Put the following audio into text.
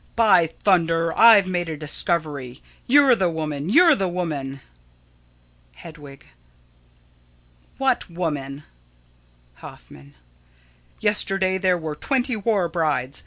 _] By thunder! I've made a discovery. You're the woman! You're the woman! Hedwig: What woman? Hoffman: Yesterday there were twenty war brides.